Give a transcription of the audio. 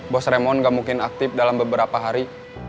bos remon gak mungkin aktif dalam beberapa hari